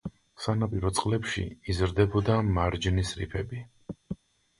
სანაპირო წყლებში იზრდებოდა მარჯნის რიფები.